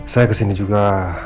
saya kesini juga